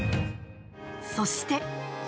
そして。